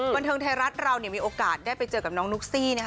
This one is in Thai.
บันเทิงไทยรัฐเรามีโอกาสได้ไปเจอกับน้องนุ๊กซี่นะคะ